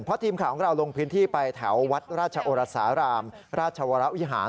เพราะทีมข่าวของเราลงพื้นที่ไปแถววัดราชโอรสารามราชวรวิหาร